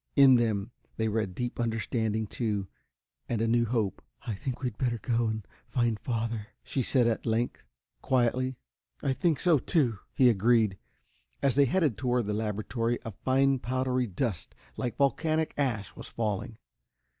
In them they read deep understanding, too, and a new hope. "I think we'd better go and find father," she said at length, quietly. "I think so too!" he agreed. As they headed toward the laboratory, a fine, powdery dust, like volcanic ash was falling.